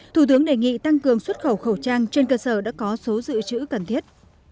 thủ tướng đề nghị tăng cường xuất khẩu khẩu trang trên cơ sở đã có số dự trữ cần thiết